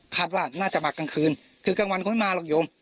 คาดว่าน่าจะมากลางคืนคือกลางวันคงไม่มาหรอกโยม